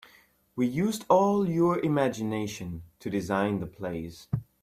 We used all your imgination to design the place.